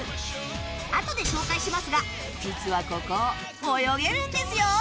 あとで紹介しますが実はここ泳げるんですよ！